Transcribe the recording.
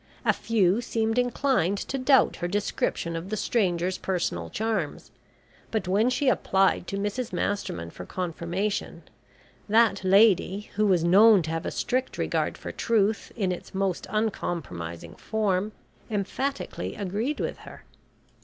A few seemed inclined to doubt her description of the stranger's personal charms, but when she applied to Mrs Masterman for confirmation, that lady, who was known to have a strict regard for truth in its most uncompromising form, emphatically agreed with her.